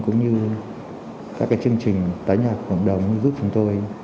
cũng như các chương trình tái nhạc hồng đồng giúp chúng tôi